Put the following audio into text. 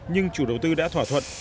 nhưng chủ đầu tư đã thỏa thuận